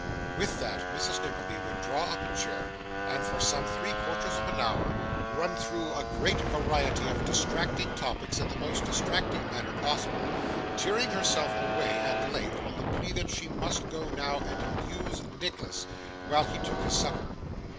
With that, Mrs. Nickleby would draw up a chair, and for some three quarters of an hour run through a great variety of distracting topics in the most distracting manner possible; tearing herself away, at length, on the plea that she must now go and amuse Nicholas while he took his supper.